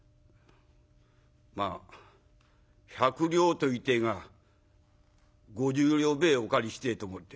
まあ百両と言いてえが５０両べえお借りしてえと思って」。